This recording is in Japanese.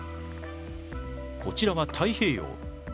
こちらは太平洋。